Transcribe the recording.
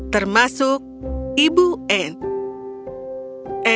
termasuk ibu anne